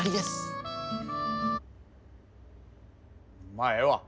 まあええわ。